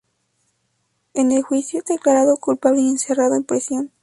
En el juicio es declarado culpable y encerrado en prisión.